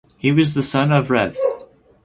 He was the son of Rev.